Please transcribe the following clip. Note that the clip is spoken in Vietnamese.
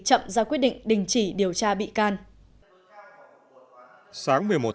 chậm ra quyết định đình chỉ điều tra bị can